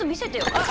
あっ。